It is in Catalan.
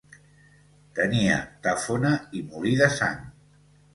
Tenia tafona i molí de sang.